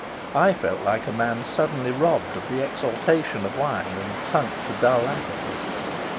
I felt like a man suddenly robbed of the exaltation of wine and sunk to dull apathy.